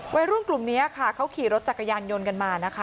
วัยรุ่นกลุ่มนี้ค่ะเขาขี่รถจักรยานยนต์กันมานะคะ